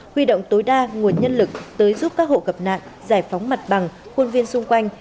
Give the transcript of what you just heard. huy động tối đa nguồn nhân lực tới giúp các hộ gặp nạn giải phóng mặt bằng khuôn viên xung quanh